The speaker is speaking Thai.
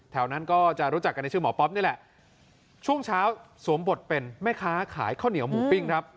นั้นก็จะรู้จักกันในชื่อหมอป๊อปนี่แหละช่วงเช้าสวมบทเป็นแม่ค้าขายข้าวเหนียวหมูปิ้งครับ